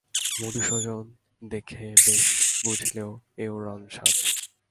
মধুসূদন দেখে বেশ বুঝলে এও রণসাজ।